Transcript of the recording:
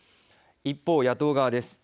一方、野党側です。